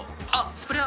スプレー